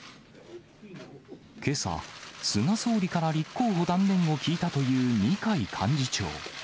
けさ、菅総理から立候補断念を聞いたという二階幹事長。